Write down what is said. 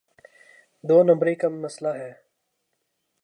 دو نمبری کا مسئلہ ہے۔